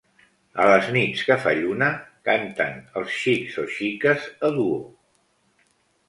A les nits que fa lluna, canten els xics o xiques a duo.